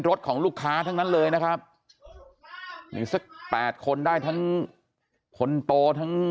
รถของลูกค้าทั้งนั้นเลยนะครับมีสักแปดคนได้ทั้งคนโตทั้ง